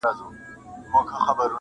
• له یخنیه وه بېزار خلک له ګټو -